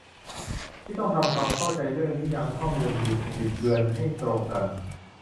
ที่ต้องทำความเข้าใจเรื่องนิยามข้อมูลบิดบิดเบือนให้ตรงกัน